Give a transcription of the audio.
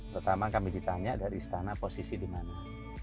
pertama kami ditanya dari istana posisi di mana